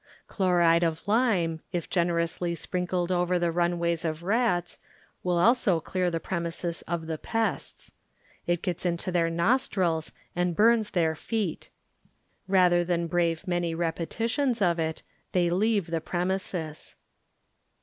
Chloride of lime, if generously sprinkled over the runways of rats, will also clear the premises of the pests. It gets into their nostrils and burns their feet. Rather than brave many repeti tidns of it, they leave the premises.